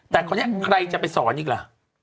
แต่คนนี้ใครจะไปสอนอีกล่ะ